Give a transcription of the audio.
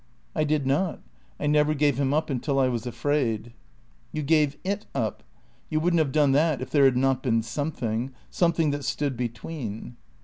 "I did not. I never gave him up until I was afraid." "You gave It up. You wouldn't have done that if there had not been something. Something that stood between."